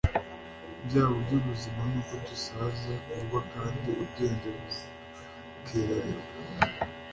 Ibyago byubuzima nuko dusaza vuba kandi ubwenge bukererewe.”